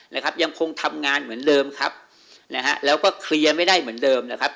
นะครับยังคงทำงานเหมือนเดิมครับนะฮะแล้วก็เคลียร์ไม่ได้เหมือนเดิมนะครับ